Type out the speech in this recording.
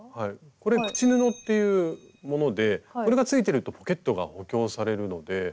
これ「口布」っていうものでこれがついてるとポケットが補強されるので。